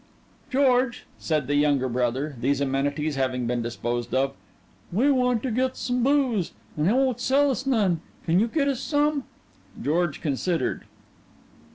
"George," said the younger brother, these amenities having been disposed of, "we want to get some booze, and they won't sell us none. Can you get us some?" George considered.